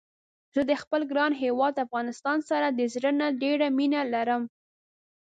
زه د خپل ګران هيواد افغانستان سره د زړه نه ډيره مينه لرم